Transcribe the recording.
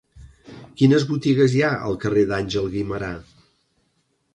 Quines botigues hi ha al carrer d'Àngel Guimerà?